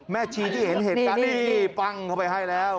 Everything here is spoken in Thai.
ชีที่เห็นเหตุการณ์นี้ปั้งเข้าไปให้แล้ว